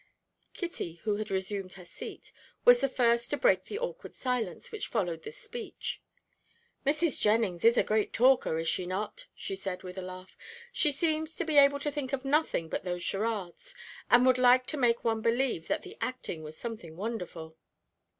Kitty, who had resumed her seat, was the first to break the awkward silence which followed this speech. "Mrs. Jennings is a great talker, is she not?" she said, with a laugh. "She seems able to think of nothing but those charades, and would like to make one believe that the acting was something wonderful."